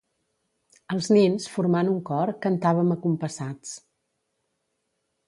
Els nins, formant un cor, cantàvem acompassats.